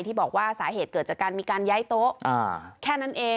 ที่บอกว่าสาเหตุเกิดจากการมีการย้ายโต๊ะแค่นั้นเอง